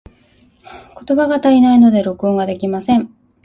言葉が足りないので、録音ができません。